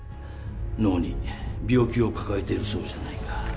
脳に病気を抱えているそうじゃないか。